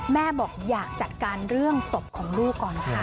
แม่บอกอยากจัดการเรื่องศพของลูกก่อนค่ะ